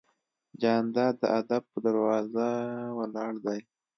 جانداد د ادب په دروازه ولاړ دی.